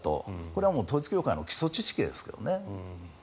これは統一教会の基礎知識ですけどね。